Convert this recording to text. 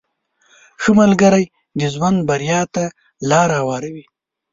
• ښه ملګری د ژوند بریا ته لاره هواروي.